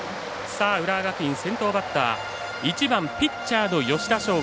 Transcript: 浦和学院、先頭バッター１番ピッチャーの吉田匠吾。